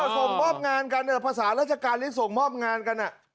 ส่งมอบงานกันภาษาราชการที่ส่งมอบงานกัน